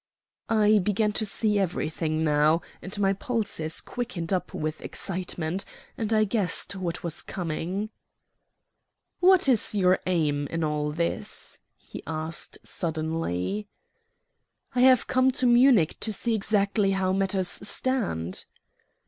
I began to see everything now, and my pulses quickened up with excitement; and I guessed what was coming. "What is your aim in all this?" he asked suddenly. "I have come to Munich to see exactly how matters stand."